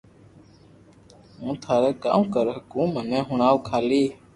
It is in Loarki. ھون ٿاري ڪاو ڪري ھگو مني ھڻاو کالي